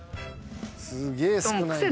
「すげえ少ないな」